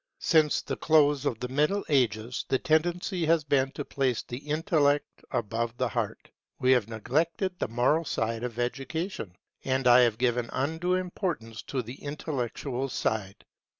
Since the close of the Middle Ages, the tendency has been to place the intellect above the heart. We have neglected the moral side of education, and I have given undue importance to its intellectual side.